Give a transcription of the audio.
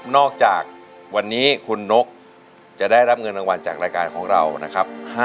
จากวันนี้คุณนกจะได้รับเงินรางวัลจากรายการของเรานะครับ